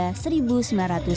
kepala karya terbaru neo